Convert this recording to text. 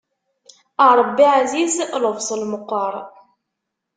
Ṛebbi ɛziz, lebṣel meqqer.